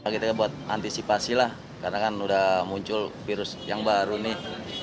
kita buat antisipasi lah karena kan udah muncul virus yang baru nih